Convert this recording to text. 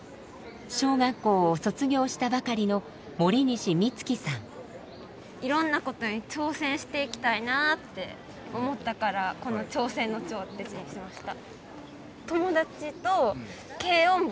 小学校を卒業したばかりのいろんなことに挑戦していきたいなって思ったからこの「挑戦」の「挑」って字にしました。